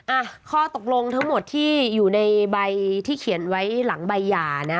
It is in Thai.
อ่ะข้อตกลงทั้งหมดที่อยู่ในใบที่เขียนไว้หลังใบหย่านะ